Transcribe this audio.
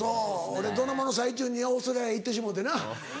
俺ドラマの最中にオーストラリア行ってしもうてな。